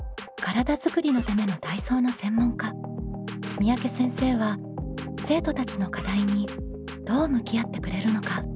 三宅先生は生徒たちの課題にどう向き合ってくれるのか？